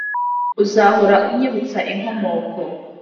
uzahora unyibutsa inkomoko